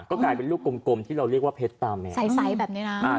ก็กลายเป็นลูกกลมที่เราเรียกว่าเพชรตาแมวใสแบบนี้นะ